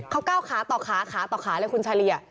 เขาก้าวขาต่อขาขาต่อขาเลยคุณชาลี